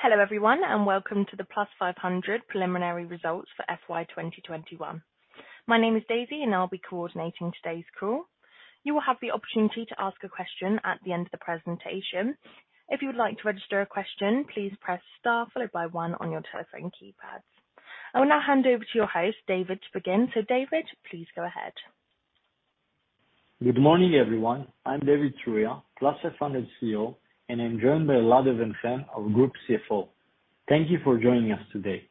Hello everyone, and welcome to the Plus500 Preliminary Results for FY 2021. My name is Daisy, and I'll be coordinating today's call. You will have the opportunity to ask a question at the end of the presentation. If you would like to register a question, please press star followed by one on your telephone keypads. I will now hand over to your host, David, to begin. David, please go ahead. Good morning, everyone. I'm David Zruia, Plus500 CEO, and I'm joined by Elad Even-Chen, our Group CFO. Thank you for joining us today.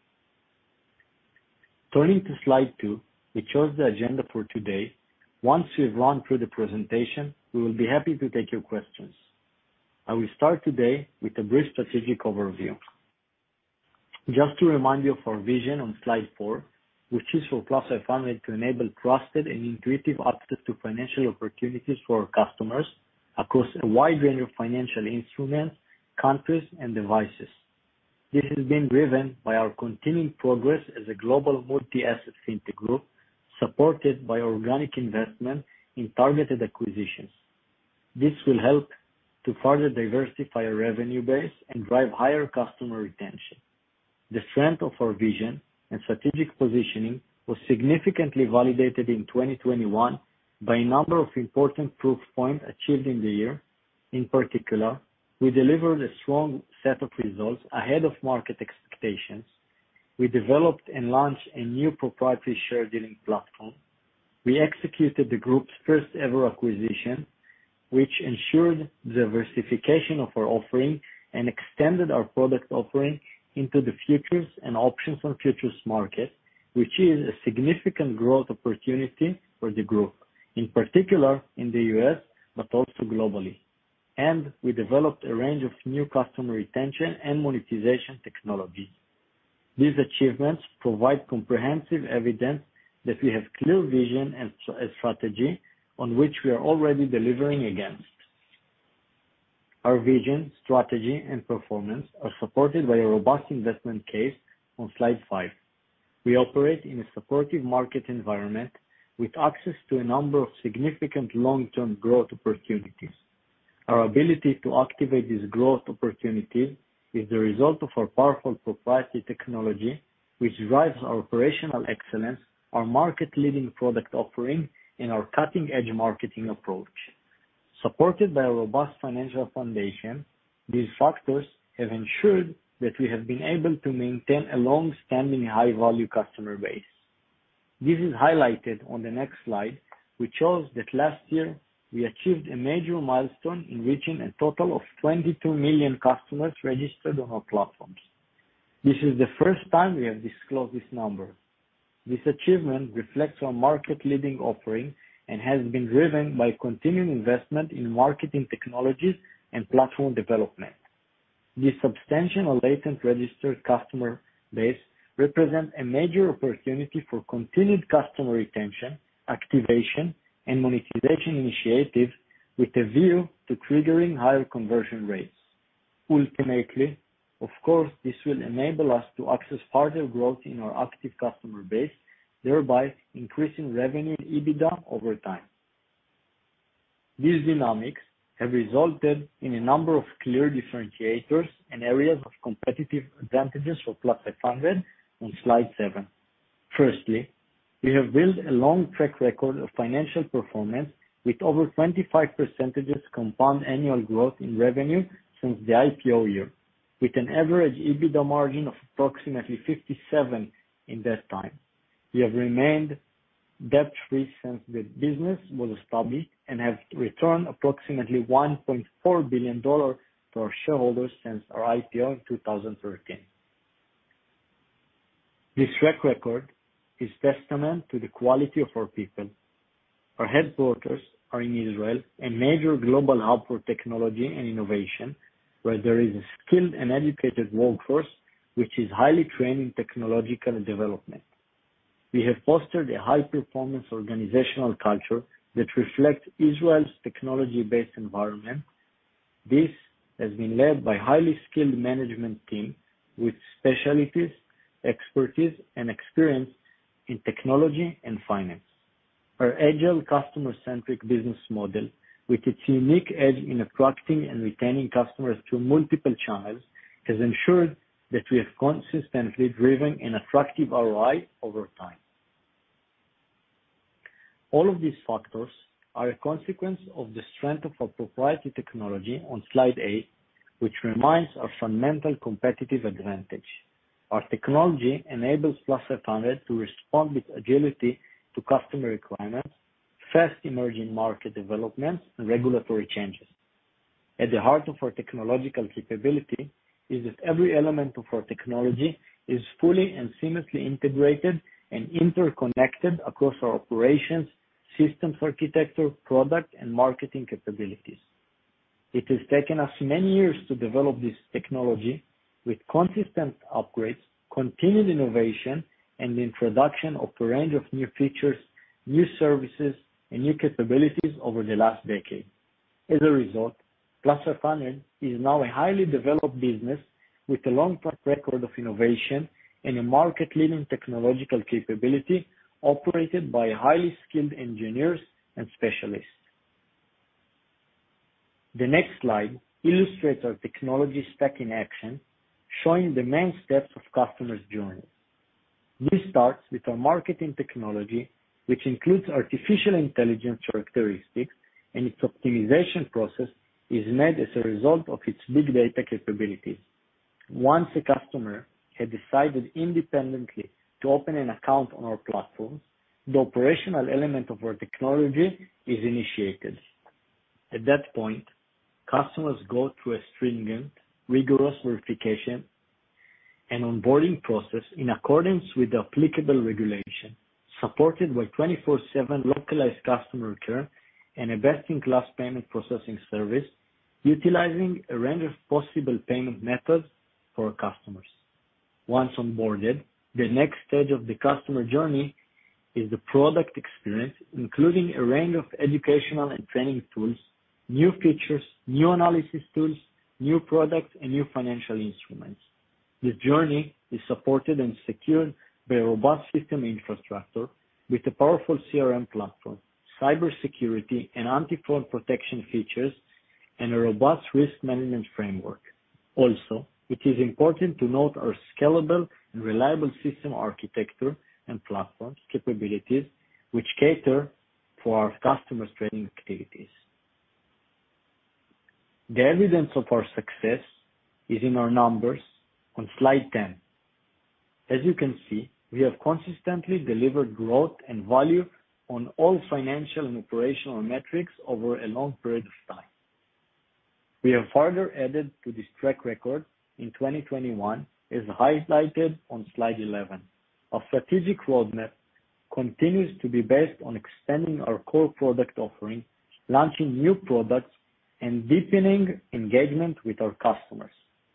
Turning to slide two, we shows the agenda for today. Once we've run through the presentation, we will be happy to take your questions. I will start today with a brief strategic overview. Just to remind you of our vision on slide four, which is for Plus500 to enable trusted and intuitive access to financial opportunities for our customers across a wide range of financial instruments, countries, and devices. This is being driven by our continuing progress as a global multi-asset fintech group, supported by organic investment in targeted acquisitions. This will help to further diversify our revenue base and drive higher customer retention. The strength of our vision and strategic positioning was significantly validated in 2021 by a number of important proof points achieved in the year. In particular, we delivered a strong set of results ahead of market expectations. We developed and launched a new proprietary share dealing platform. We executed the group's first-ever acquisition, which ensured the diversification of our offering and extended our product offering into the futures and options on futures market, which is a significant growth opportunity for the group, in particular in the U.S., but also globally. We developed a range of new customer retention and monetization technologies. These achievements provide comprehensive evidence that we have clear vision and strategy on which we are already delivering against. Our vision, strategy, and performance are supported by a robust investment case on slide five. We operate in a supportive market environment with access to a number of significant long-term growth opportunities. Our ability to activate these growth opportunities is the result of our powerful proprietary technology, which drives our operational excellence, our market-leading product offering, and our cutting-edge marketing approach. Supported by a robust financial foundation, these factors have ensured that we have been able to maintain a long-standing high-value customer base. This is highlighted on the next slide, which shows that last year we achieved a major milestone in reaching a total of 22 million customers registered on our platforms. This is the first time we have disclosed this number. This achievement reflects our market-leading offering and has been driven by continuing investment in marketing technologies and platform development. This substantial latent registered customer base represent a major opportunity for continued customer retention, activation, and monetization initiatives with a view to triggering higher conversion rates. Ultimately, of course, this will enable us to access further growth in our active customer base, thereby increasing revenue and EBITDA over time. These dynamics have resulted in a number of clear differentiators and areas of competitive advantages for Plus500 on slide seven. Firstly, we have built a long track record of financial performance with over 25% compound annual growth in revenue since the IPO year, with an average EBITDA margin of approximately 57% in that time. We have remained debt-free since the business was established and have returned approximately $1.4 billion to our shareholders since our IPO in 2013. This track record is testament to the quality of our people. Our headquarters are in Israel, a major global hub for technology and innovation, where there is a skilled and educated workforce, which is highly trained in technological development. We have fostered a high-performance organizational culture that reflects Israel's technology-based environment. This has been led by highly skilled management team with specialties, expertise, and experience in technology and finance. Our agile, customer-centric business model, with its unique edge in attracting and retaining customers through multiple channels, has ensured that we have consistently driven an attractive ROI over time. All of these factors are a consequence of the strength of our proprietary technology on slide eight, which remains our fundamental competitive advantage. Our technology enables Plus500 to respond with agility to customer requirements, fast emerging market developments, and regulatory changes. At the heart of our technological capability is that every element of our technology is fully and seamlessly integrated and interconnected across our operations, systems architecture, product, and marketing capabilities. It has taken us many years to develop this technology with consistent upgrades, continued innovation, and introduction of a range of new features, new services, and new capabilities over the last decade. As a result, Plus500 is now a highly developed business with a long track record of innovation and a market-leading technological capability operated by highly skilled engineers and specialists. The next slide illustrates our technology stack in action, showing the main steps of customers' journey. This starts with our marketing technology, which includes artificial intelligence characteristics, and its optimization process is made as a result of its big data capabilities. Once a customer has decided independently to open an account on our platforms, the operational element of our technology is initiated. At that point, customers go through a stringent, rigorous verification and onboarding process in accordance with the applicable regulation, supported by 24/7 localized customer care and a best-in-class payment processing service, utilizing a range of possible payment methods for our customers. Once onboarded, the next stage of the customer journey is the product experience, including a range of educational and training tools, new features, new analysis tools, new products, and new financial instruments. The journey is supported and secured by a robust system infrastructure with a powerful CRM platform, cybersecurity and anti-fraud protection features, and a robust risk management framework. Also, it is important to note our scalable and reliable system architecture and platform capabilities, which cater for our customers' trading activities. The evidence of our success is in our numbers on slide 10. As you can see, we have consistently delivered growth and value on all financial and operational metrics over a long period of time. We have further added to this track record in 2021, as highlighted on slide 11. Our strategic roadmap continues to be based on expanding our core product offering, launching new products, and deepening engagement with our customers.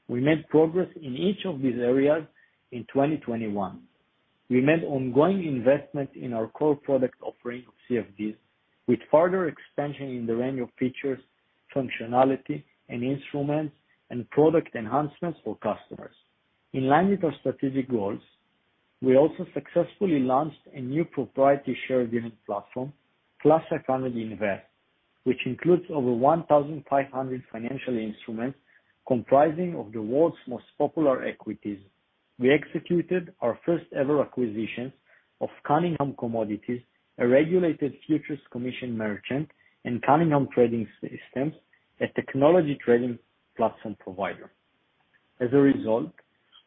We made progress in each of these areas in 2021. We made ongoing investment in our core product offering of CFDs, with further expansion in the range of features, functionality, and instruments and product enhancements for customers. In line with our strategic goals, we also successfully launched a new proprietary share dealing platform, Plus500 Invest, which includes over 1,500 financial instruments comprising of the world's most popular equities. We executed our first-ever acquisition of Cunningham Commodities, a regulated futures commission merchant, and Cunningham Trading Systems, a technology trading platform provider. As a result,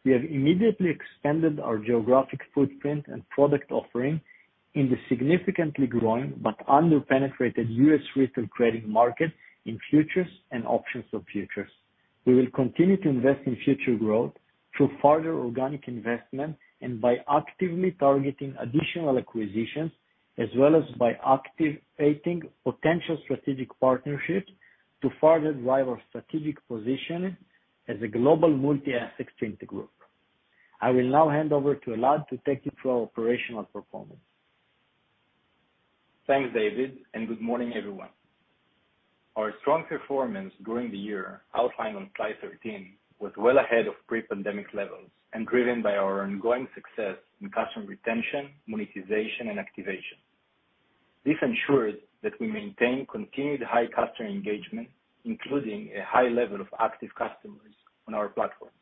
we have immediately expanded our geographic footprint and product offering in the significantly growing but under-penetrated U.S. retail trading market in futures and options for futures. We will continue to invest in future growth through further organic investment and by actively targeting additional acquisitions, as well as by activating potential strategic partnerships to further drive our strategic position as a global multi-asset fintech group. I will now hand over to Elad to take you through our operational performance. Thanks, David, and good morning, everyone. Our strong performance during the year, outlined on slide 13, was well ahead of pre-pandemic levels and driven by our ongoing success in customer retention, monetization, and activation. This ensures that we maintain continued high customer engagement, including a high level of active customers on our platforms.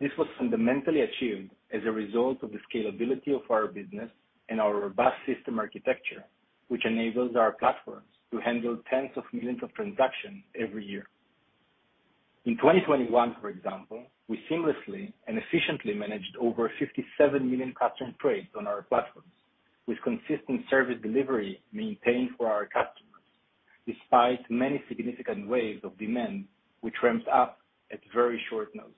This was fundamentally achieved as a result of the scalability of our business and our robust system architecture, which enables our platforms to handle tens of millions of transactions every year. In 2021, for example, we seamlessly and efficiently managed over 57 million customer trades on our platforms, with consistent service delivery maintained for our customers, despite many significant waves of demand, which ramps up at very short notice.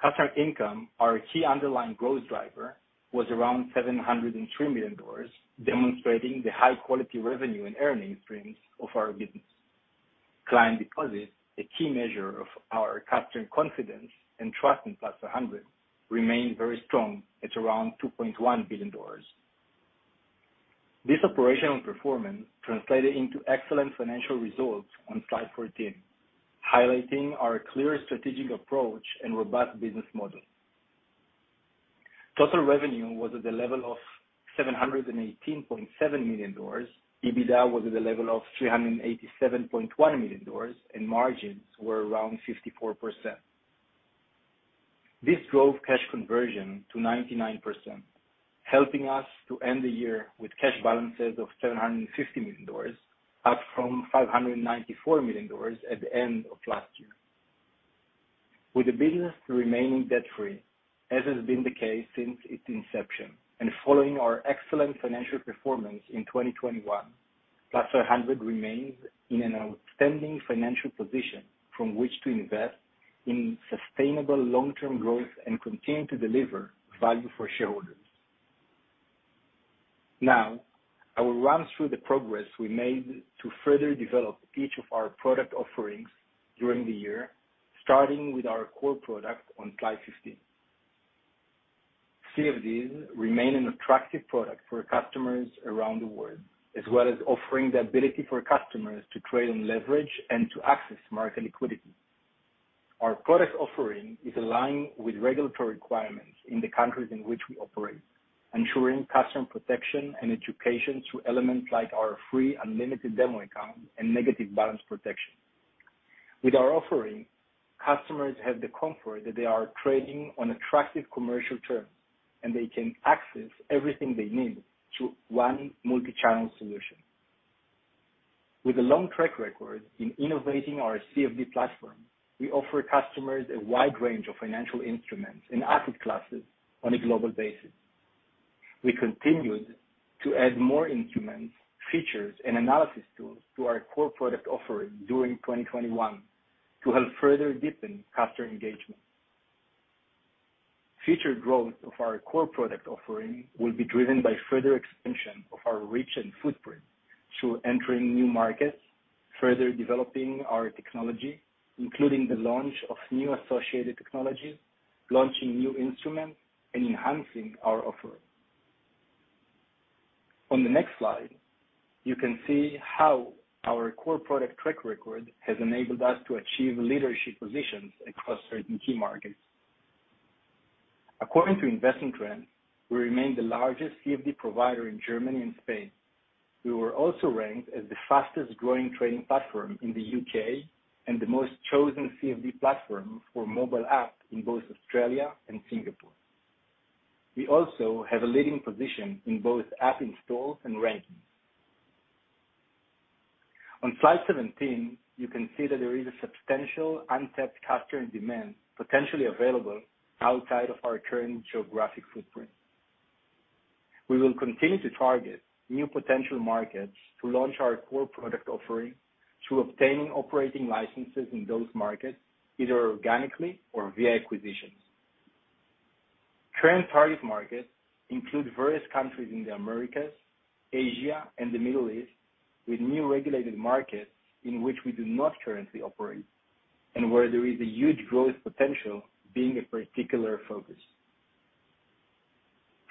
Customer income, our key underlying growth driver, was around $703 million, demonstrating the high-quality revenue and earnings streams of our business. Client deposits, a key measure of our customer confidence and trust in Plus500, remained very strong at around $2.1 billion. This operational performance translated into excellent financial results on slide 14, highlighting our clear strategic approach and robust business model. Total revenue was at the level of $718.7 million. EBITDA was at the level of $387.1 million, and margins were around 54%. This drove cash conversion to 99%, helping us to end the year with cash balances of $750 million, up from $594 million at the end of last year. With the business remaining debt-free, as has been the case since its inception, and following our excellent financial performance in 2021, Plus500 remains in an outstanding financial position from which to invest in sustainable long-term growth and continue to deliver value for shareholders. Now, I will run through the progress we made to further develop each of our product offerings during the year, starting with our core product on slide 15. CFDs remain an attractive product for customers around the world, as well as offering the ability for customers to trade and leverage and to access market liquidity. Our product offering is aligned with regulatory requirements in the countries in which we operate, ensuring customer protection and education through elements like our free unlimited demo account and negative balance protection. With our offering, customers have the comfort that they are trading on attractive commercial terms, and they can access everything they need through one multi-channel solution. With a long track record in innovating our CFD platform, we offer customers a wide range of financial instruments and asset classes on a global basis. We continued to add more instruments, features, and analysis tools to our core product offering during 2021 to help further deepen customer engagement. Future growth of our core product offering will be driven by further expansion of our reach and footprint through entering new markets, further developing our technology, including the launch of new associated technologies, launching new instruments, and enhancing our offering. On the next slide, you can see how our core product track record has enabled us to achieve leadership positions across certain key markets. According to Investment Trends, we remain the largest CFD provider in Germany and Spain. We were also ranked as the fastest-growing trading platform in the U.K. and the most chosen CFD platform for mobile app in both Australia and Singapore. We also have a leading position in both app installs and rankings. On slide 17, you can see that there is a substantial untapped customer demand potentially available outside of our current geographic footprint. We will continue to target new potential markets to launch our core product offering through obtaining operating licenses in those markets, either organically or via acquisitions. Target markets include various countries in the Americas, Asia, and the Middle East, with new regulated markets in which we do not currently operate and where there is a huge growth potential being a particular focus.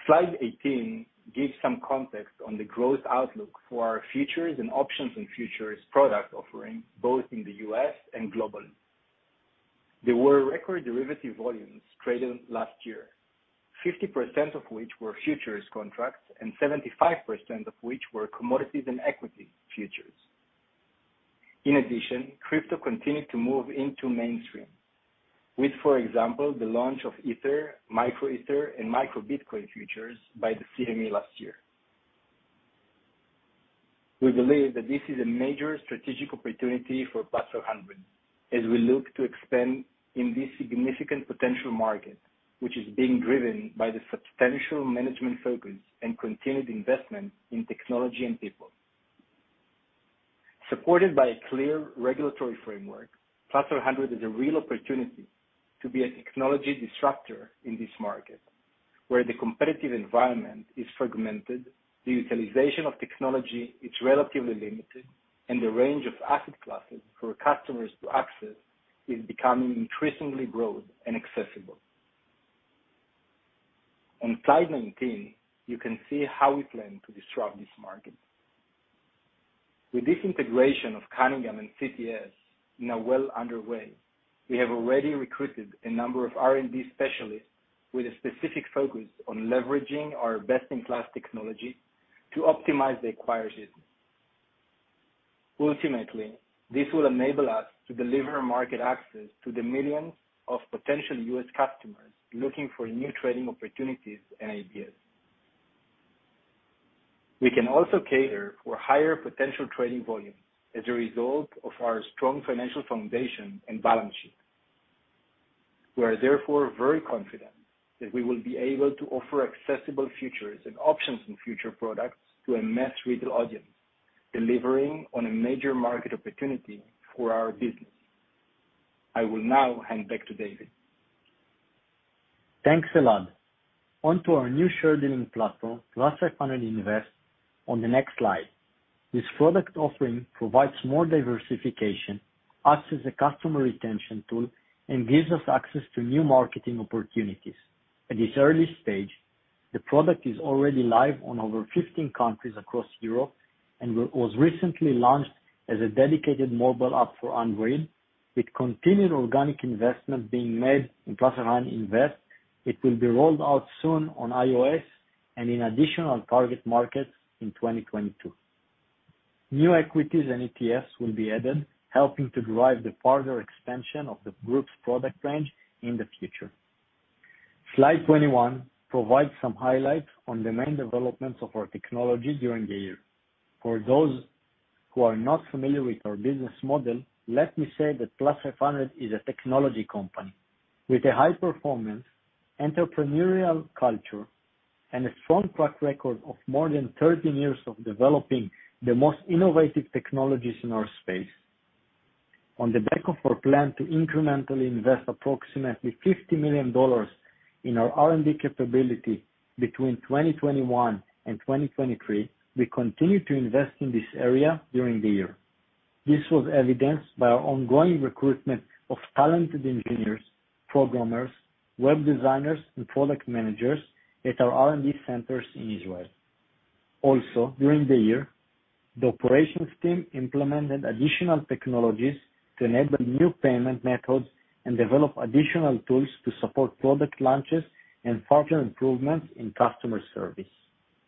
Slide 18 gives some context on the growth outlook for our futures and options and futures product offering both in the U.S. and globally. There were record derivative volumes traded last year, 50% of which were futures contracts and 75% of which were commodities and equity futures. In addition, crypto continued to move into mainstream with, for example, the launch of Ether, Micro Ether, and Micro Bitcoin futures by the CME last year. We believe that this is a major strategic opportunity for Plus500 as we look to expand in this significant potential market, which is being driven by the substantial management focus and continued investment in technology and people. Supported by a clear regulatory framework, Plus500 is a real opportunity to be a technology disruptor in this market where the competitive environment is fragmented, the utilization of technology is relatively limited, and the range of asset classes for customers to access is becoming increasingly broad and accessible. On slide 19, you can see how we plan to disrupt this market. With this integration of Cunningham and CTS now well underway, we have already recruited a number of R&D specialists with a specific focus on leveraging our best-in-class technology to optimize the acquired business. Ultimately, this will enable us to deliver market access to the millions of potential U.S. customers looking for new trading opportunities and ideas. We can also cater for higher potential trading volumes as a result of our strong financial foundation and balance sheet. We are therefore very confident that we will be able to offer accessible futures and options and future products to a mass retail audience, delivering on a major market opportunity for our business. I will now hand back to David. Thanks, Elad. On to our new share dealing platform, Plus500 Invest, on the next slide. This product offering provides more diversification, acts as a customer retention tool, and gives us access to new marketing opportunities. At this early stage, the product is already live on over 15 countries across Europe and was recently launched as a dedicated mobile app for Android. With continued organic investment being made in Plus500 Invest, it will be rolled out soon on iOS and in additional target markets in 2022. New equities and ETFs will be added, helping to drive the further expansion of the group's product range in the future. Slide 21 provides some highlights on the main developments of our technology during the year. For those who are not familiar with our business model, let me say that Plus500 is a technology company with a high-performance entrepreneurial culture and a strong track record of more than 13 years of developing the most innovative technologies in our space. On the back of our plan to incrementally invest approximately $50 million in our R&D capability between 2021 and 2023, we continue to invest in this area during the year. This was evidenced by our ongoing recruitment of talented engineers, programmers, web designers and product managers at our R&D centers in Israel. Also, during the year, the operations team implemented additional technologies to enable new payment methods and develop additional tools to support product launches and further improvements in customer service.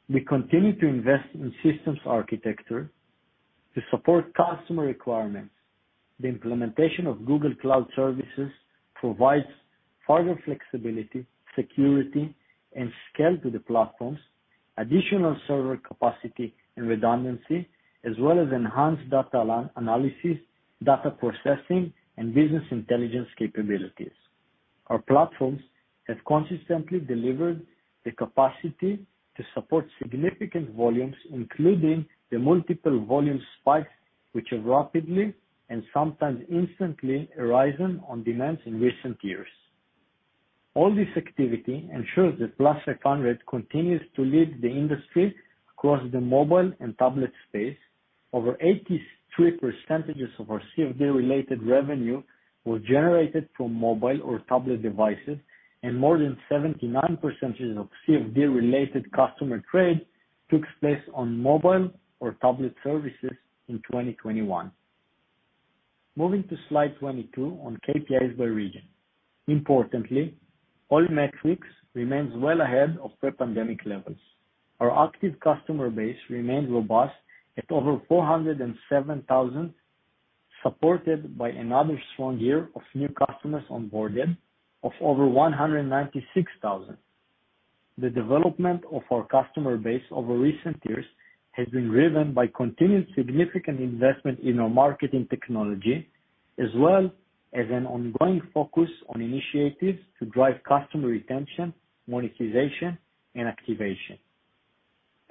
We continue to invest in systems architecture to support customer requirements. The implementation of Google Cloud services provides further flexibility, security and scale to the platforms, additional server capacity and redundancy, as well as enhanced data analytics, data processing and business intelligence capabilities. Our platforms have consistently delivered the capacity to support significant volumes, including the multiple volume spikes, which have rapidly and sometimes instantly arisen on demands in recent years. All this activity ensures that Plus500 continues to lead the industry across the mobile and tablet space. Over 83% of our CFD-related revenue were generated from mobile or tablet devices, and more than 79% of CFD-related customer trade took place on mobile or tablet services in 2021. Moving to slide 22 on KPIs by region. Importantly, all metrics remains well ahead of pre-pandemic levels. Our active customer base remains robust at over 407,000, supported by another strong year of new customers onboarded of over 196,000. The development of our customer base over recent years has been driven by continued significant investment in our marketing technology, as well as an ongoing focus on initiatives to drive customer retention, monetization and activation.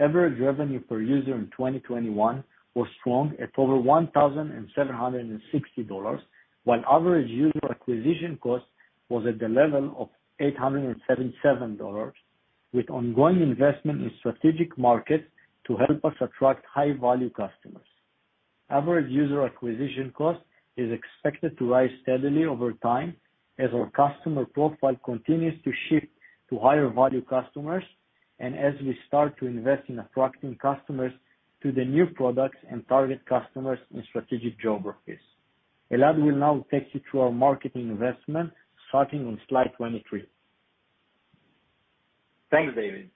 Average revenue per user in 2021 was strong at over $1,760, while average user acquisition cost was at the level of $877, with ongoing investment in strategic markets to help us attract high value customers. Average user acquisition cost is expected to rise steadily over time as our customer profile continues to shift to higher value customers and as we start to invest in attracting customers to the new products and target customers in strategic geographies. Elad will now take you through our marketing investment starting on slide 23. Thanks, David.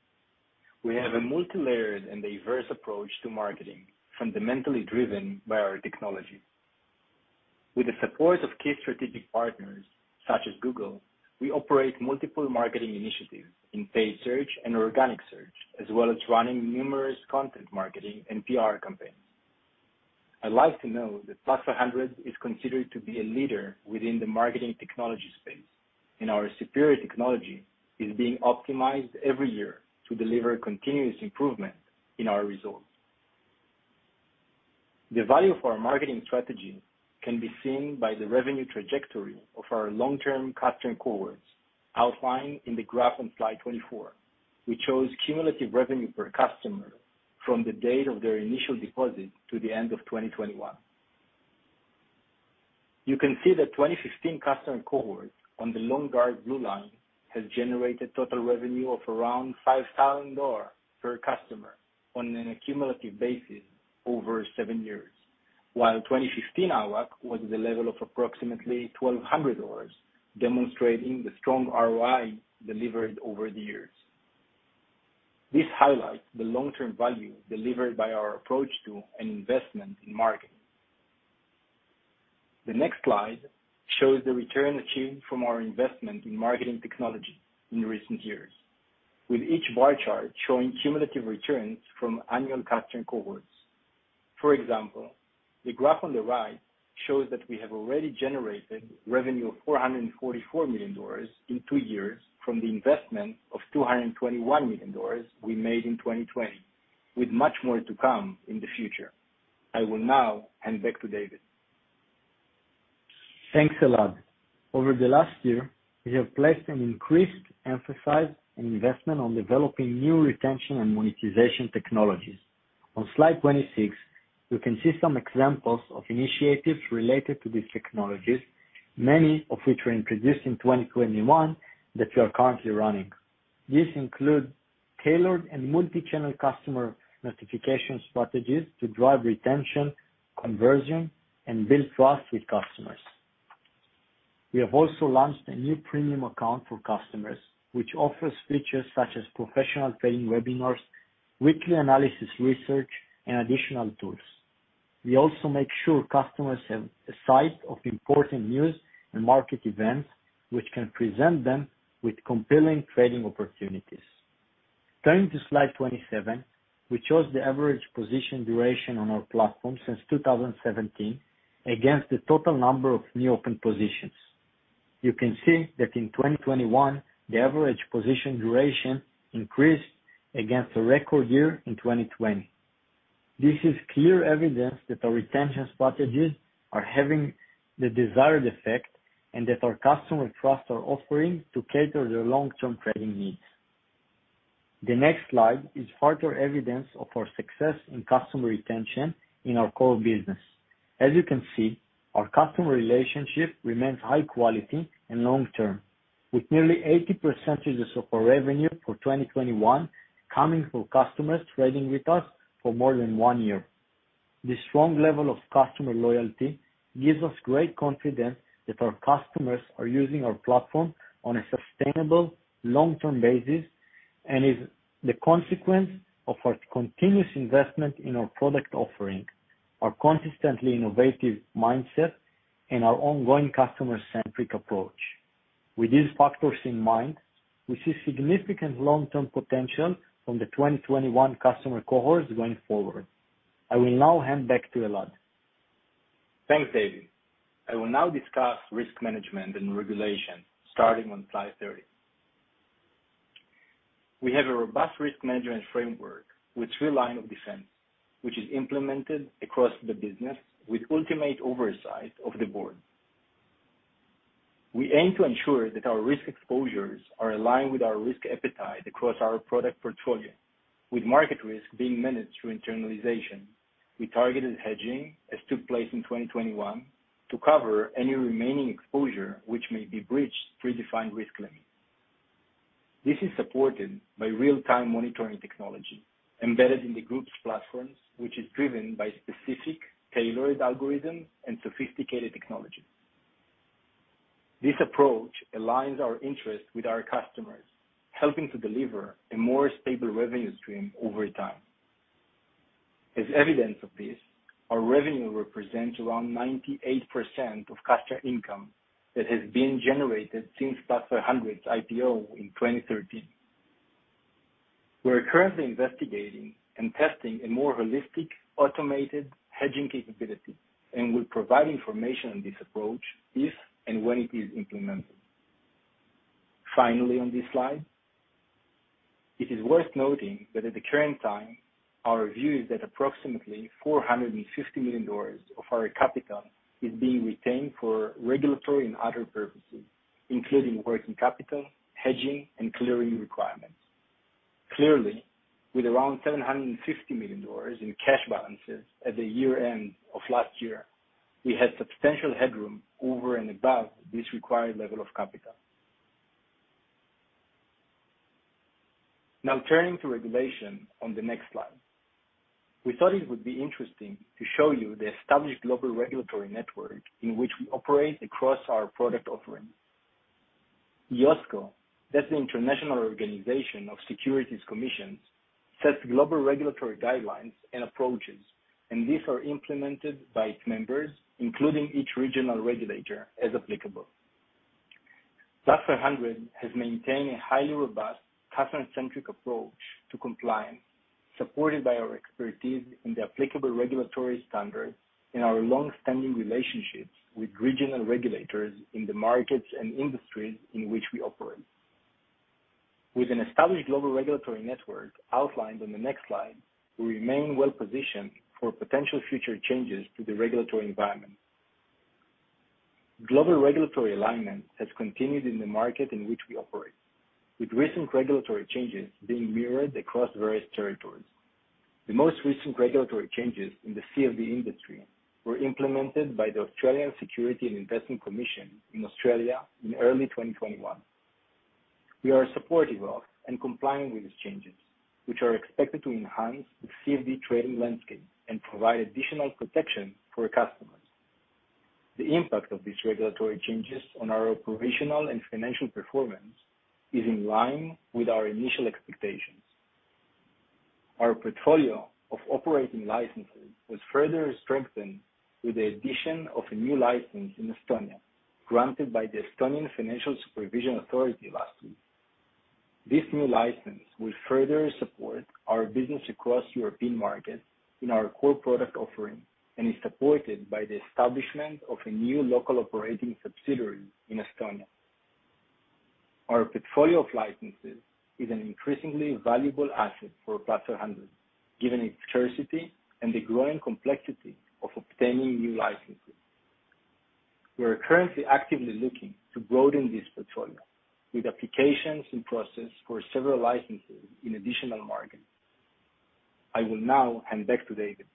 We have a multilayered and diverse approach to marketing, fundamentally driven by our technology. With the support of key strategic partners such as Google, we operate multiple marketing initiatives in paid search and organic search, as well as running numerous content marketing and PR campaigns. I'd like to note that Plus500 is considered to be a leader within the marketing technology space, and our superior technology is being optimized every year to deliver continuous improvement in our results. The value for our marketing strategy can be seen by the revenue trajectory of our long-term customer cohorts outlined in the graph on slide 24. We chose cumulative revenue per customer from the date of their initial deposit to the end of 2021. You can see the 2015 customer cohort on the long dark blue line has generated total revenue of around $5,000 per customer on a cumulative basis over seven years, while 2015 AUAC was the level of approximately $1,200, demonstrating the strong ROI delivered over the years. This highlights the long-term value delivered by our approach to an investment in marketing. The next slide shows the return achieved from our investment in marketing technology in recent years, with each bar chart showing cumulative returns from annual customer cohorts. For example, the graph on the right shows that we have already generated revenue of $444 million in two years from the investment of $221 million we made in 2020, with much more to come in the future. I will now hand back to David. Thanks, Elad. Over the last year, we have placed an increased emphasis and investment on developing new retention and monetization technologies. On slide 26, you can see some examples of initiatives related to these technologies, many of which were introduced in 2021 that we are currently running. These include tailored and multichannel customer notification strategies to drive retention, conversion and build trust with customers. We have also launched a new premium account for customers, which offers features such as professional trading webinars, weekly analysis research, and additional tools. We also make sure customers have a sight of important news and market events which can present them with compelling trading opportunities. Turning to slide 27, we show the average position duration on our platform since 2017 against the total number of new open positions. You can see that in 2021, the average position duration increased against a record year in 2020. This is clear evidence that our retention strategies are having the desired effect and that our customers trust our offering to cater their long-term trading needs. The next slide is further evidence of our success in customer retention in our core business. As you can see, our customer relationship remains high quality and long-term, with nearly 80% of our revenue for 2021 coming from customers trading with us for more than one year. This strong level of customer loyalty gives us great confidence that our customers are using our platform on a sustainable long-term basis, and is the consequence of our continuous investment in our product offering, our consistently innovative mindset, and our ongoing customer-centric approach. With these factors in mind, we see significant long-term potential from the 2021 customer cohorts going forward. I will now hand back to Elad. Thanks, David. I will now discuss risk management and regulation, starting on slide 30. We have a robust risk management framework with three lines of defense, which is implemented across the business with ultimate oversight of the board. We aim to ensure that our risk exposures are aligned with our risk appetite across our product portfolio, with market risk being managed through internalization. We targeted hedging, as took place in 2021, to cover any remaining exposure which may be breached predefined risk limit. This is supported by real-time monitoring technology embedded in the group's platforms, which is driven by specific tailored algorithms and sophisticated technology. This approach aligns our interests with our customers, helping to deliver a more stable revenue stream over time. As evidence of this, our revenue represents around 98% of customer income that has been generated since Plus500's IPO in 2013. We are currently investigating and testing a more holistic, automated hedging capability, and will provide information on this approach if and when it is implemented. Finally, on this slide, it is worth noting that at the current time, our view is that approximately $450 million of our capital is being retained for regulatory and other purposes, including working capital, hedging, and clearing requirements. Clearly, with around $750 million in cash balances at the year-end of last year, we had substantial headroom over and above this required level of capital. Now turning to regulation on the next slide. We thought it would be interesting to show you the established global regulatory network in which we operate across our product offering. IOSCO, that's the International Organization of Securities Commissions, sets global regulatory guidelines and approaches, and these are implemented by its members, including each regional regulator as applicable. Plus500 has maintained a highly robust, customer-centric approach to compliance, supported by our expertise in the applicable regulatory standards and our long-standing relationships with regional regulators in the markets and industries in which we operate. With an established global regulatory network outlined on the next slide, we remain well-positioned for potential future changes to the regulatory environment. Global regulatory alignment has continued in the market in which we operate, with recent regulatory changes being mirrored across various territories. The most recent regulatory changes in the CFD industry were implemented by the Australian Securities and Investments Commission in Australia in early 2021. We are supportive of and complying with these changes, which are expected to enhance the CFD trading landscape and provide additional protection for our customers. The impact of these regulatory changes on our operational and financial performance is in line with our initial expectations. Our portfolio of operating licenses was further strengthened with the addition of a new license in Estonia, granted by the Estonian Financial Supervision and Resolution Authority last week. This new license will further support our business across European markets in our core product offering, and is supported by the establishment of a new local operating subsidiary in Estonia. Our portfolio of licenses is an increasingly valuable asset for Plus500, given its scarcity and the growing complexity of obtaining new licenses. We are currently actively looking to broaden this portfolio with applications in process for several licenses in additional markets. I will now hand back to David.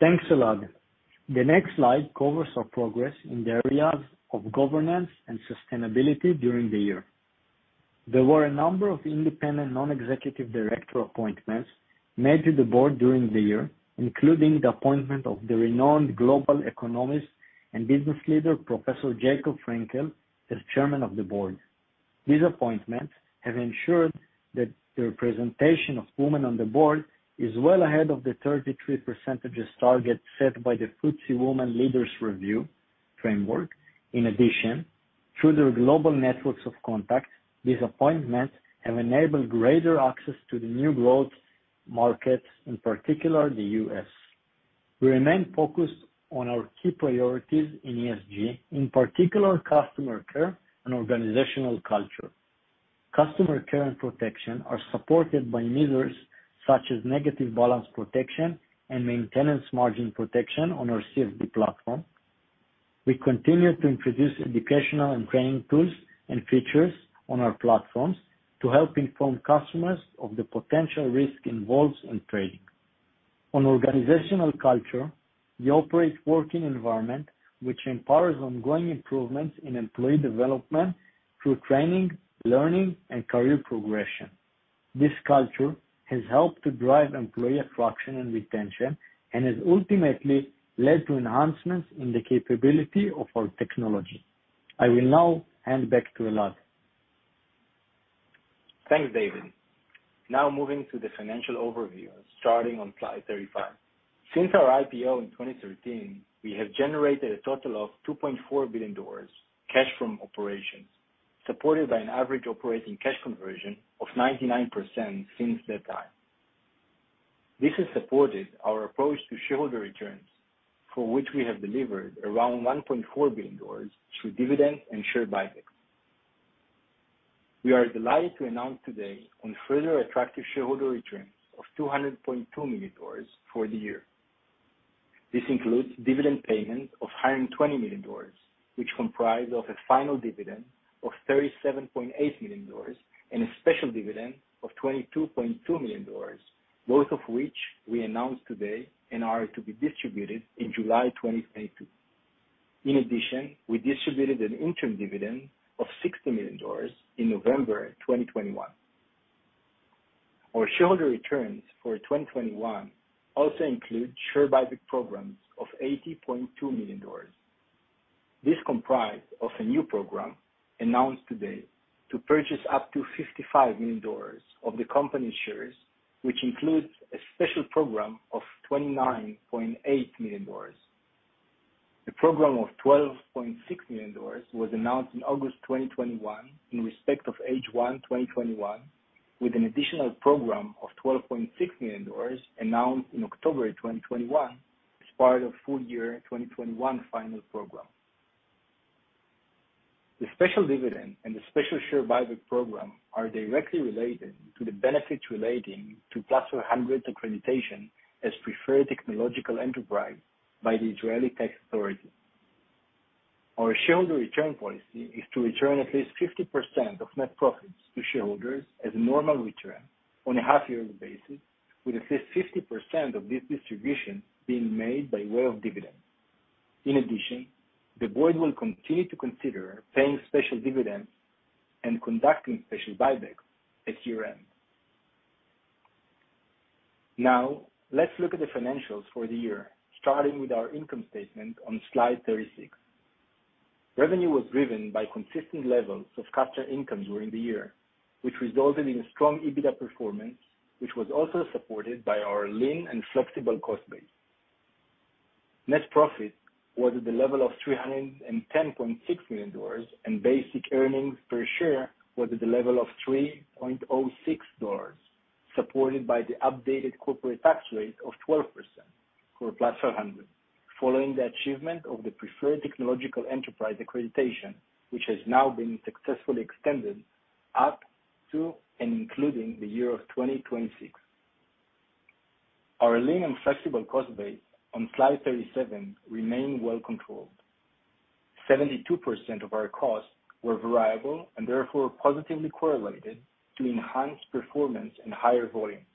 Thanks, Elad. The next slide covers our progress in the areas of governance and sustainability during the year. There were a number of independent non-executive director appointments made to the board during the year, including the appointment of the renowned global economist and business leader, Professor Jacob Frenkel, as Chairman of the Board. These appointments have ensured that the representation of women on the board is well ahead of the 33% target set by the FTSE Women Leaders Review framework. In addition, through their global networks of contacts, these appointments have enabled greater access to the new growth markets, in particular the U.S. We remain focused on our key priorities in ESG, in particular customer care and organizational culture. Customer care and protection are supported by measures such as negative balance protection and maintenance margin protection on our CFD platform. We continue to introduce educational and training tools and features on our platforms to help inform customers of the potential risk involved in trading. On organizational culture, we operate working environment which empowers ongoing improvements in employee development through training, learning, and career progression. This culture has helped to drive employee attraction and retention and has ultimately led to enhancements in the capability of our technology. I will now hand back to Elad. Thanks, David. Now moving to the financial overview, starting on slide 35. Since our IPO in 2013, we have generated a total of $2.4 billion cash from operations, supported by an average operating cash conversion of 99% since that time. This has supported our approach to shareholder returns, for which we have delivered around $1.4 billion through dividends and share buybacks. We are delighted to announce today our further attractive shareholder returns of $200.2 million for the year. This includes dividend payment of $120 million, which comprise of a final dividend of $37.8 million and a special dividend of $22.2 million, both of which we announced today and are to be distributed in July 2022. In addition, we distributed an interim dividend of $60 million in November 2021. Our shareholder returns for 2021 also include share buyback programs of $80.2 million. This comprise of a new program announced today to purchase up to $55 million of the company shares, which includes a special program of $29.8 million. The program of $12.6 million was announced in August 2021 in respect of H1 2021, with an additional program of $12.6 million announced in October 2021 as part of full year 2021 final program. The special dividend and the special share buyback program are directly related to the benefits relating to Plus500 accreditation as Preferred Technological Enterprise by the Israel Tax Authority. Our shareholder return policy is to return at least 50% of net profits to shareholders as a normal return on a half-yearly basis, with at least 50% of this distribution being made by way of dividends. In addition, the board will continue to consider paying special dividends and conducting special buybacks at year-end. Now, let's look at the financials for the year, starting with our income statement on slide 36. Revenue was driven by consistent levels of customer income during the year, which resulted in a strong EBITDA performance, which was also supported by our lean and flexible cost base. Net profit was at the level of $310.6 million, and basic earnings per share was at the level of $3.06, supported by the updated corporate tax rate of 12% for Plus500, following the achievement of the Preferred Technological Enterprise Accreditation, which has now been successfully extended up to and including the year of 2026. Our lean and flexible cost base on slide 37 remain well-controlled. 72% of our costs were variable and therefore positively correlated to enhanced performance and higher volume.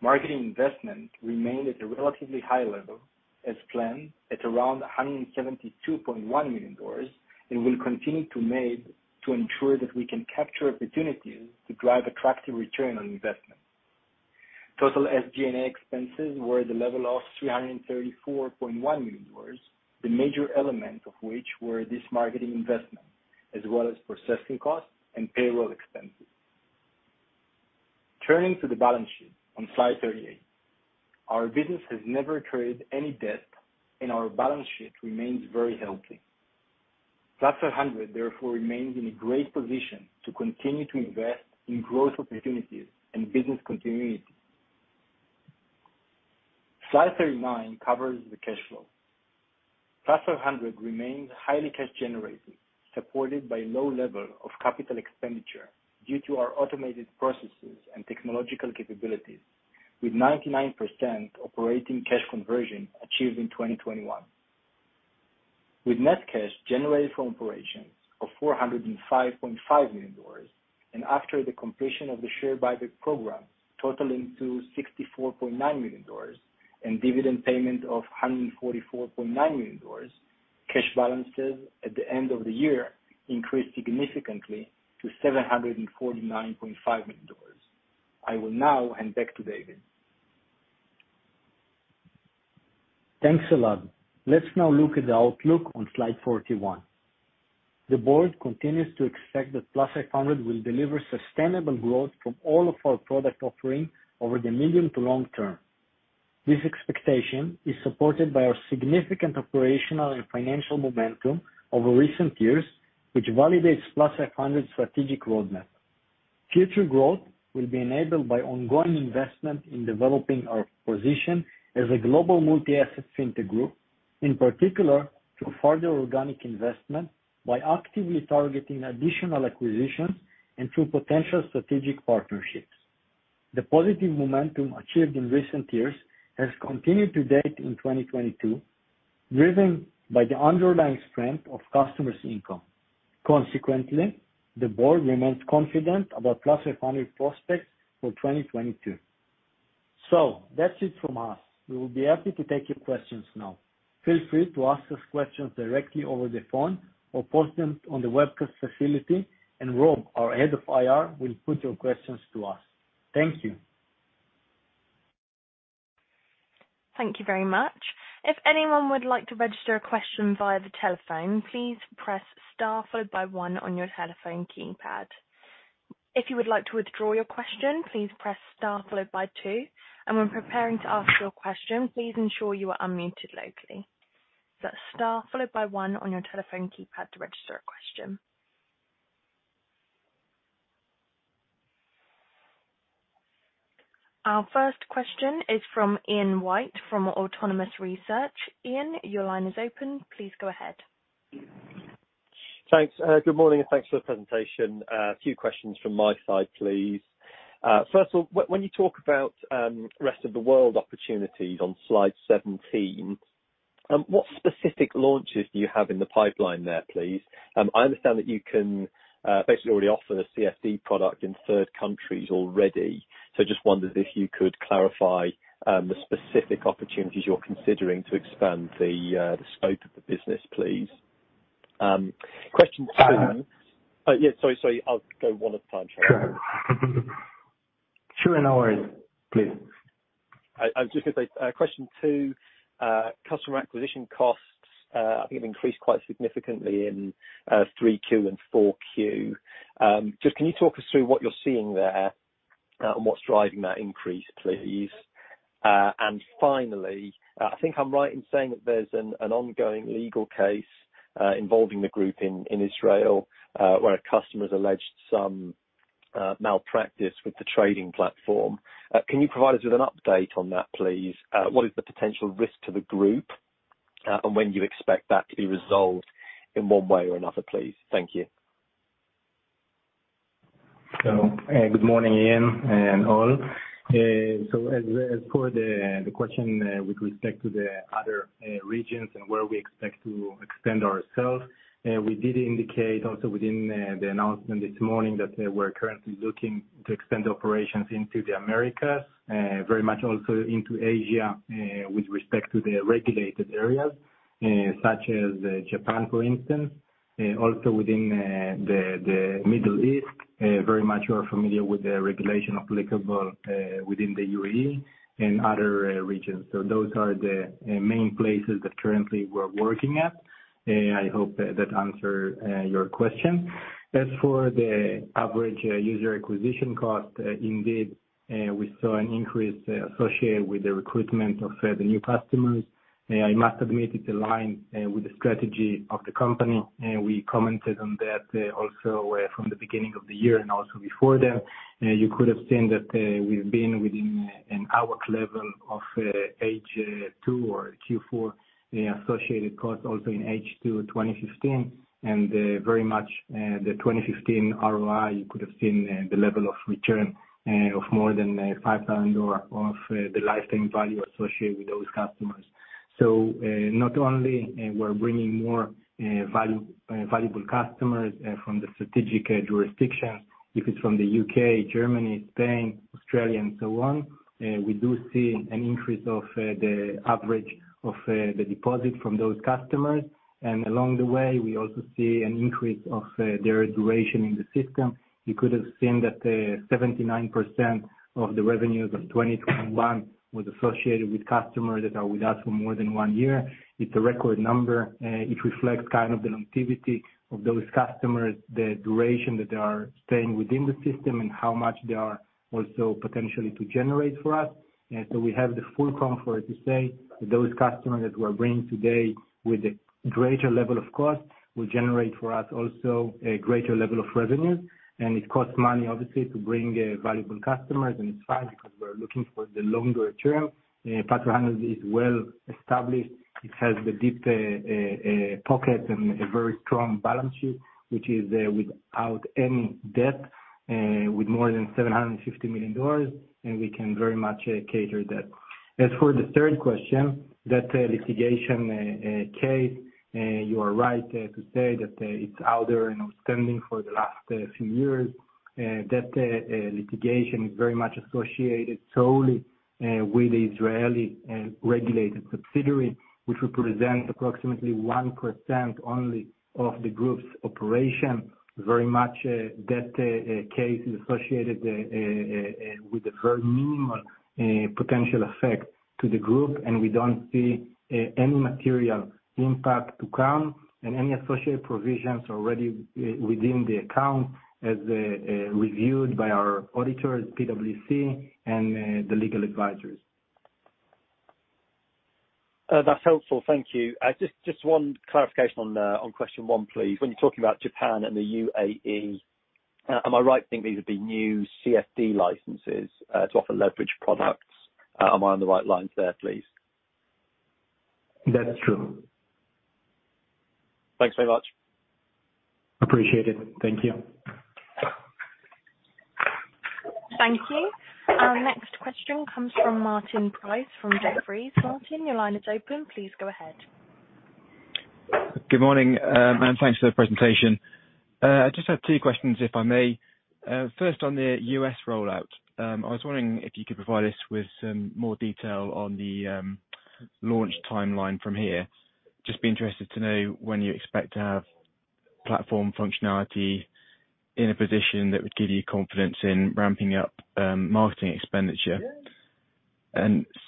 Marketing investment remained at a relatively high level as planned at around $172.1 million and will continue to be made to ensure that we can capture opportunities to drive attractive return on investment. Total SG&A expenses were at the level of $334.1 million, the major element of which were this marketing investment, as well as processing costs and payroll expenses. Turning to the balance sheet on slide 38. Our business has never traded any debt, and our balance sheet remains very healthy. Plus500 therefore remains in a great position to continue to invest in growth opportunities and business continuity. Slide 39 covers the cash flow. Plus500 remains highly cash generative, supported by low level of capital expenditure due to our automated processes and technological capabilities, with 99% operating cash conversion achieved in 2021. With net cash generated from operations of $405.5 million and after the completion of the share buyback program totaling to $64.9 million and dividend payment of $144.9 million, cash balances at the end of the year increased significantly to $749.5 million. I will now hand back to David. Thanks, Elad. Let's now look at the outlook on slide 41. The board continues to expect that Plus500 will deliver sustainable growth from all of our product offering over the medium to long term. This expectation is supported by our significant operational and financial momentum over recent years, which validates Plus500's strategic roadmap. Future growth will be enabled by ongoing investment in developing our position as a global multi-asset fintech group, in particular, through further organic investment by actively targeting additional acquisitions and through potential strategic partnerships. The positive momentum achieved in recent years has continued to date in 2022, driven by the underlying strength of customers' income. Consequently, the board remains confident about Plus500 prospects for 2022. That's it from us. We will be happy to take your questions now. Feel free to ask us questions directly over the phone or post them on the webcast facility, and Rob, our head of IR, will put your questions to us. Thank you. Thank you very much. If anyone would like to register a question via the telephone, please press star followed by one on your telephone keypad. If you would like to withdraw your question, please press star followed by two. When preparing to ask your question, please ensure you are unmuted locally. That's star followed by one on your telephone keypad to register a question. Our first question is from Ian White, from Autonomous Research. Ian, your line is open. Please go ahead. Thanks, good morning, and thanks for the presentation. A few questions from my side, please. First of all, when you talk about rest of the world opportunities on slide 17, what specific launches do you have in the pipeline there, please? I understand that you can basically already offer the CFD product in third countries already. So just wondered if you could clarify the specific opportunities you're considering to expand the scope of the business, please. Question two. Uh- Yeah. Sorry. I'll go one at a time. Sure. Sure. No worries, please. I was just gonna say, question two, customer acquisition costs, I think have increased quite significantly in Q3 and Q4. Just can you talk us through what you're seeing there, and what's driving that increase, please? And finally, I think I'm right in saying that there's an ongoing legal case involving the group in Israel, where a customer has alleged some malpractice with the trading platform. Can you provide us with an update on that, please? What is the potential risk to the group, and when do you expect that to be resolved in one way or another, please? Thank you. Good morning, Ian and all. As for the question with respect to the other regions and where we expect to expand ourselves, we did indicate also within the announcement this morning that we're currently looking to extend operations into the Americas, very much also into Asia, with respect to the regulated areas such as Japan, for instance. Also within the Middle East, very much we're familiar with the regulation applicable within the UAE and other regions. Those are the main places that currently we're working at. I hope that answers your question. As for the average user acquisition cost, indeed, we saw an increase associated with the recruitment of the new customers. I must admit it's aligned with the strategy of the company. We commented on that also from the beginning of the year and also before that. You could have seen that we've been within our level of H2 or Q4, the associated cost also in H2 2015, and very much the 2015 ROI. You could have seen the level of return of more than 500 of the lifetime value associated with those customers. Not only are we bringing more valuable customers from the strategic jurisdictions if it's from the U.K., Germany, Spain, Australia, and so on, we do see an increase of the average of the deposit from those customers. Along the way, we also see an increase of their duration in the system. You could have seen that 79% of the revenues of 2021 was associated with customers that are with us for more than one year. It's a record number. It reflects kind of the longevity of those customers, the duration that they are staying within the system and how much they are also potentially to generate for us. We have the full comfort to say those customers that we're bringing today with a greater level of cost will generate for us also a greater level of revenue. It costs money, obviously, to bring valuable customers, and it's fine because we're looking for the longer term. Plus500 is well-established. It has the deep pockets and a very strong balance sheet, which is without any debt with more than $750 million, and we can very much cater that. As for the third question, that litigation case, you are right to say that it's out there and outstanding for the last few years. That litigation is very much associated solely with the Israeli regulated subsidiary, which represent approximately 1% only of the group's operation. Very much that case is associated with a very minimal potential effect to the group, and we don't see any material impact to come and any associated provisions already within the account as reviewed by our auditors, PwC and the legal advisors. That's helpful. Thank you. Just one clarification on question one, please. When you're talking about Japan and the UAE, am I right in thinking these would be new CFD licenses to offer leverage products? Am I on the right lines there, please? That's true. Thanks very much. Appreciate it. Thank you. Thank you. Our next question comes from Martin Price from Jefferies. Martin, your line is open. Please go ahead. Good morning. Thanks for the presentation. I just have two questions, if I may. First on the U.S. rollout, I was wondering if you could provide us with some more detail on the launch timeline from here. I'd just be interested to know when you expect to have platform functionality in a position that would give you confidence in ramping up marketing expenditure.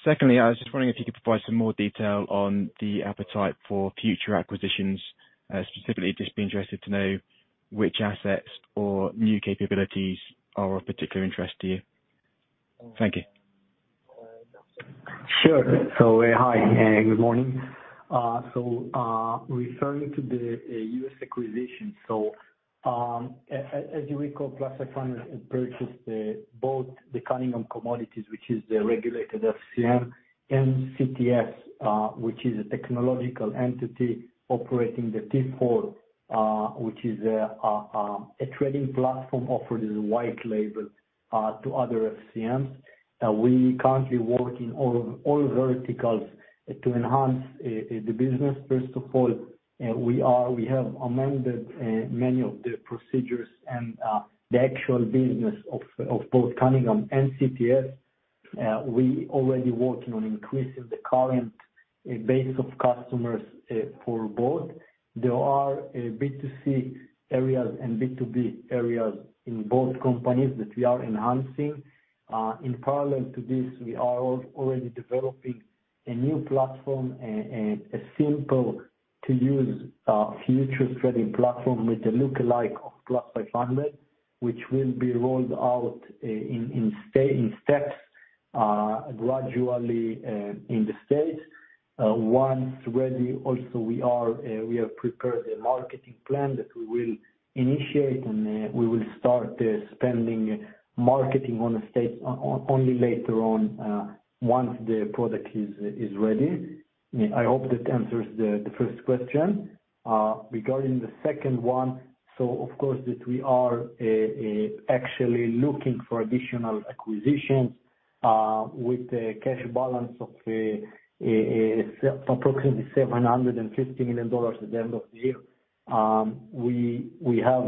Secondly, I was just wondering if you could provide some more detail on the appetite for future acquisitions, specifically, I'd just be interested to know which assets or new capabilities are of particular interest to you. Thank you. Sure. Hi, good morning. Referring to the U.S. acquisition, as you recall, Plus500 purchased both the Cunningham Commodities, which is the regulated FCM, and CTS, which is a technological entity operating the T4, which is a trading platform offered as a white label to other FCMs. We currently work in all verticals to enhance the business. First of all, we have amended many of the procedures and the actual business of both Cunningham and CTS. We already working on increasing the current base of customers for both. There are B2C areas and B2B areas in both companies that we are enhancing. In parallel to this, we are already developing a new platform, a simple to use futures trading platform with a look-alike of Plus500, which will be rolled out in stages gradually in the States. Once ready, we have prepared a marketing plan that we will initiate, and we will start spending on marketing in the States only later on, once the product is ready. I hope that answers the first question. Regarding the second one, of course we are actually looking for additional acquisitions with the cash balance of approximately $750 million at the end of the year. We have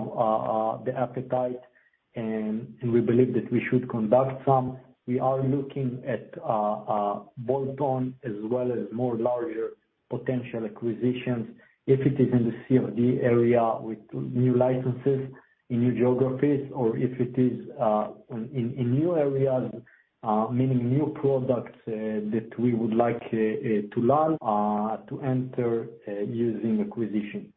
the appetite and we believe that we should conduct some. We are looking at bolt-on as well as more larger potential acquisitions, if it is in the CFD area with new licenses in new geographies, or if it is in new areas, meaning new products that we would like to learn to enter using acquisition.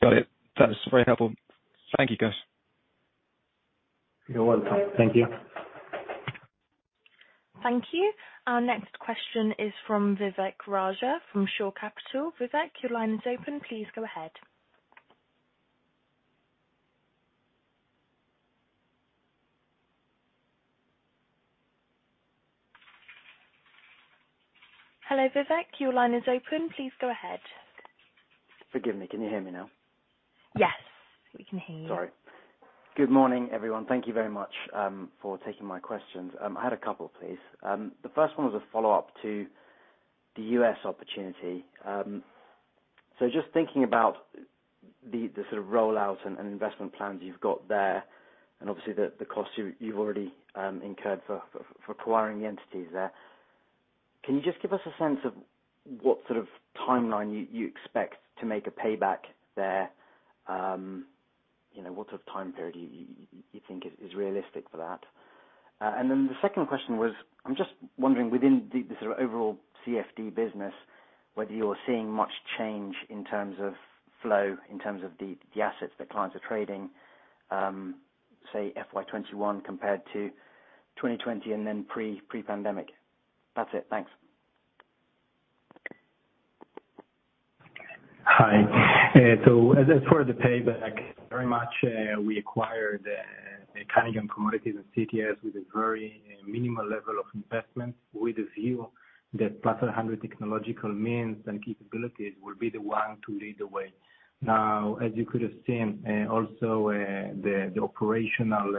Got it. That's very helpful. Thank you, guys. You're welcome. Thank you. Thank you. Our next question is from Vivek Raja from Shore Capital. Vivek, your line is open. Please go ahead. Hello, Vivek. Your line is open. Please go ahead. Forgive me. Can you hear me now? Yes, we can hear you. Sorry. Good morning, everyone. Thank you very much for taking my questions. I had a couple, please. The first one was a follow-up to the U.S. opportunity. Just thinking about the sort of rollout and investment plans you've got there, and obviously the costs you've already incurred for acquiring the entities there. Can you just give us a sense of what sort of timeline you expect to make a payback there? You know, what sort of time period you think is realistic for that? Then the second question was, I'm just wondering within the sort of overall CFD business, whether you're seeing much change in terms of flow, in terms of the assets that clients are trading, say FY 2021 compared to 2020 and then pre-pandemic. That's it. Thanks. Hi. So as for the payback, very much, we acquired the Cunningham Commodities and CTS with a very minimal level of investment, with a view that Plus500 technological means and capabilities will be the one to lead the way. Now, as you could have seen, also, the operational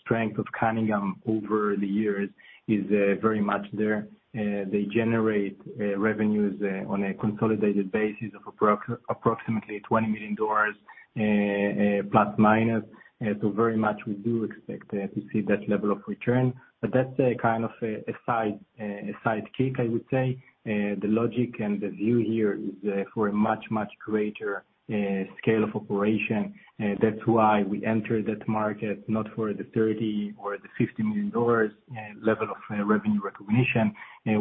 strength of Cunningham over the years is very much there. They generate revenues on a consolidated basis of approximately $20 million plus minus. So very much we do expect to see that level of return, but that's a kind of a side kick, I would say. The logic and the view here is for a much greater scale of operation. That's why we entered that market, not for the $30 million or $50 million level of revenue recognition.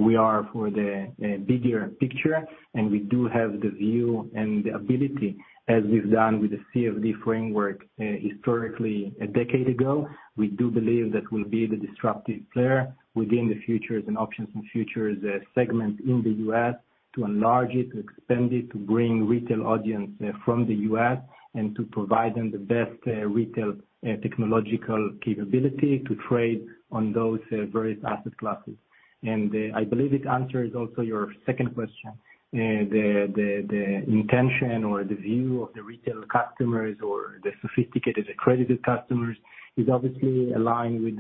We are for the bigger picture, and we do have the view and the ability, as we've done with the CFD framework, historically a decade ago. We do believe that we'll be the disruptive player within the futures and options segment in the U.S. to enlarge it, to expand it, to bring retail audience from the U.S., and to provide them the best retail technological capability to trade on those various asset classes. I believe it answers also your second question. The intention or the view of the retail customers or the sophisticated accredited customers is obviously aligned with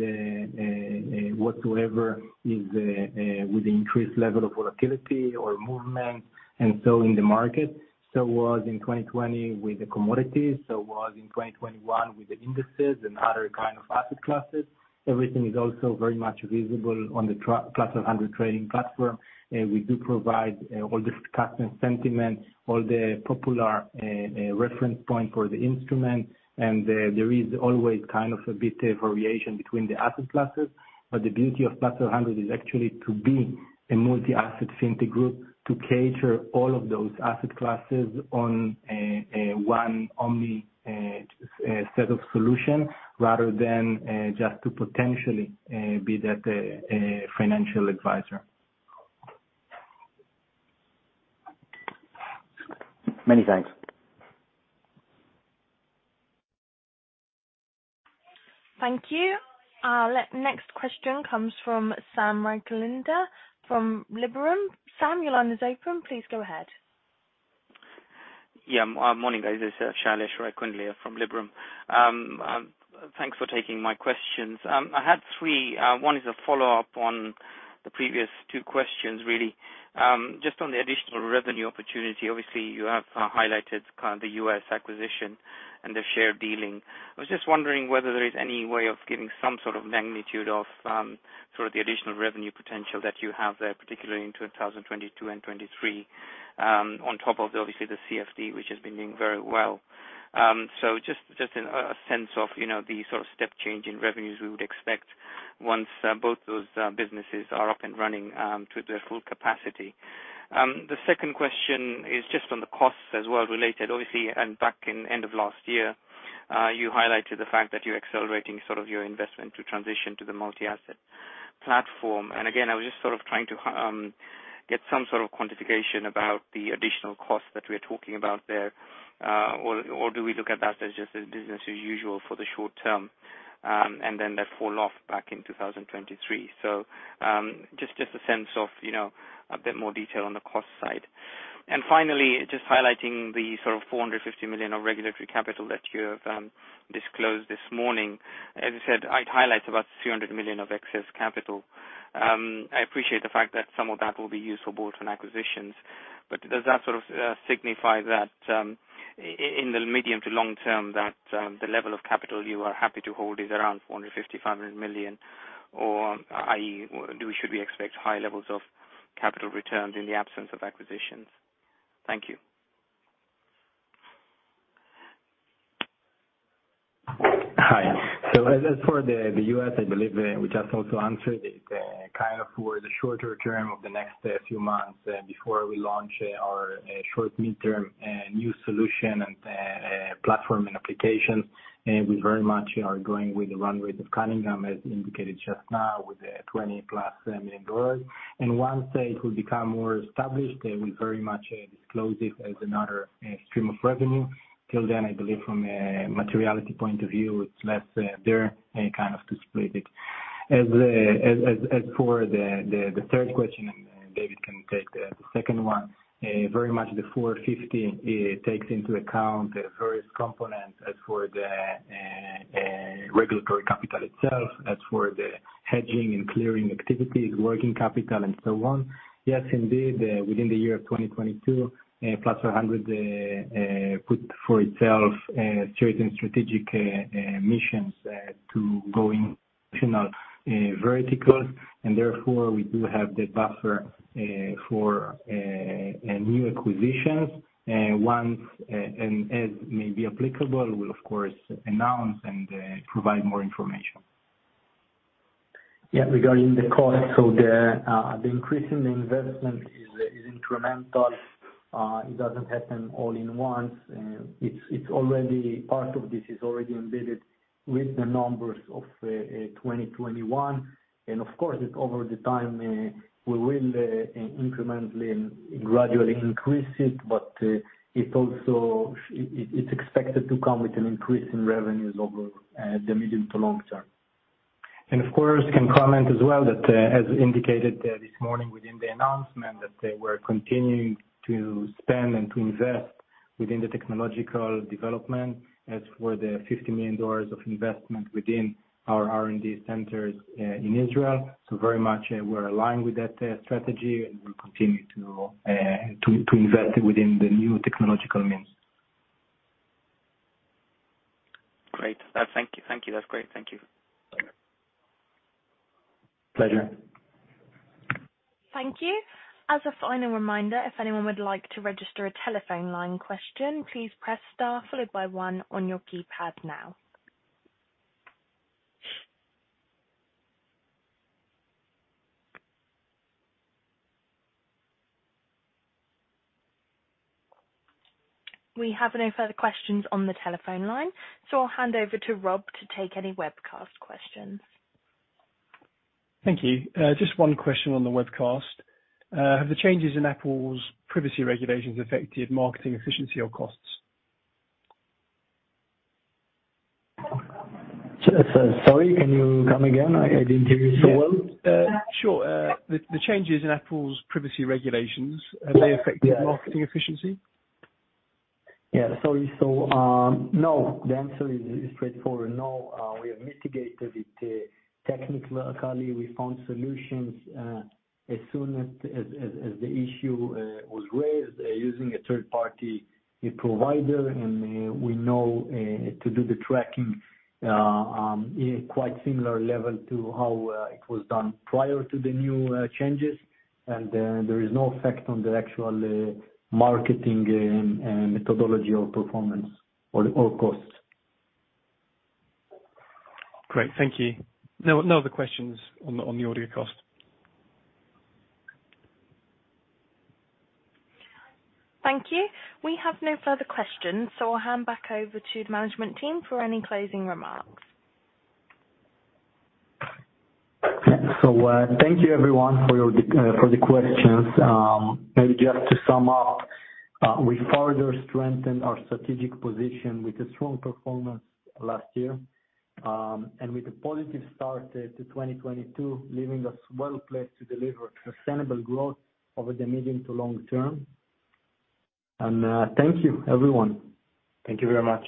whatever is with the increased level of volatility or movement, and so in the market. Was in 2020 with the commodities, was in 2021 with the indices and other kind of asset classes. Everything is also very much visible on the Plus500 trading platform. We do provide all the customer sentiment, all the popular reference point for the instrument. There is always kind of a bit of variation between the asset classes. The beauty of Plus500 is actually to be a multi-asset fintech group to cater all of those asset classes on a one omni set of solution rather than just to potentially be that financial advisor. Many thanks. Thank you. Next question comes from Shailesh Raikundlia from Liberum. Sam, your line is open. Please go ahead. Morning, guys. This is Shailesh Raikundlia from Liberum. Thanks for taking my questions. I had three. One is a follow-up on the previous two questions, really. Just on the additional revenue opportunity. Obviously, you have highlighted the U.S. acquisition and the share dealing. I was just wondering whether there is any way of giving some sort of magnitude of sort of the additional revenue potential that you have there, particularly in 2022 and 2023, on top of obviously the CFD, which has been doing very well. So just a sense of, you know, the sort of step change in revenues we would expect once both those businesses are up and running to their full capacity. The second question is just on the costs as well related. Obviously, back in end of last year, you highlighted the fact that you're accelerating sort of your investment to transition to the multi-asset platform. Again, I was just sort of trying to get some sort of quantification about the additional costs that we're talking about there. Or do we look at that as just business as usual for the short term, and then that fall off back in 2023? Just a sense of, you know, a bit more detail on the cost side. Finally, just highlighting the sort of $450 million of regulatory capital that you have disclosed this morning. As you said, I'd highlight about $300 million of excess capital. I appreciate the fact that some of that will be used for bolt-on acquisitions, but does that sort of signify that in the medium to long term the level of capital you are happy to hold is around $450 million-$500 million, or should we expect high levels of capital returns in the absence of acquisitions? Thank you. Hi. As for the US, I believe we just also answered it kind of for the shorter term of the next few months before we launch our short midterm new solution and platform and application. We very much are going with the run rate of Cunningham as indicated just now with the $20+ million. Once it will become more established, we very much disclose it as another stream of revenue. Till then, I believe from a materiality point of view, it's less there kind of to split it. As for the third question, and David can take the second one. Very much, the $450 million takes into account the first component as for the regulatory capital itself, as for the hedging and clearing activities, working capital and so on. Yes, indeed, within the year of 2022, Plus500 set for itself certain strategic ambitions to go into additional verticals. Therefore we do have the buffer for new acquisitions and as may be applicable, we'll of course announce and provide more information. Yeah, regarding the cost. The increase in the investment is incremental. It doesn't happen all at once. Part of this is already embedded in the numbers of 2021. Of course, over time, we will incrementally and gradually increase it. It's also expected to come with an increase in revenues over the medium to long term. Of course, I can comment as well that, as indicated this morning within the announcement, that we're continuing to spend and to invest in the technological development as for the $50 million of investment in our R&D centers in Israel. Very much, we're aligned with that strategy, and we'll continue to invest in the new technological means. Great. Thank you. That's great. Thank you. Okay. Pleasure. Thank you. As a final reminder, if anyone would like to register a telephone line question, please press star followed by one on your keypad now. We have no further questions on the telephone line, so I'll hand over to Rob to take any webcast questions. Thank you. Just one question on the webcast. Have the changes in Apple's privacy regulations affected marketing efficiency or costs? Sorry, can you come again? I didn't hear you so well. Yeah. Sure. The changes in Apple's privacy regulations, have they affected- Yeah. Marketing efficiency? Yeah. Sorry. No, the answer is straightforward. No. We have mitigated it technically. We found solutions as soon as the issue was raised using a third-party provider, and we know to do the tracking in quite similar level to how it was done prior to the new changes. There is no effect on the actual marketing methodology or performance or costs. Great. Thank you. No, no other questions on the audio cast. Thank you. We have no further questions, so I'll hand back over to the management team for any closing remarks. Thank you everyone for the questions. Maybe just to sum up, we further strengthened our strategic position with a strong performance last year. With a positive start to 2022, leaving us well-placed to deliver sustainable growth over the medium to long term. Thank you, everyone. Thank you very much.